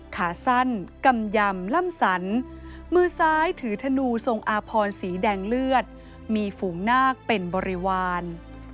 ขาสั้นกำยำล่ำสันมือซ้ายถือธนูทรงอาพรสีแดงเลือดมีฝูงนาคเป็นบริวาร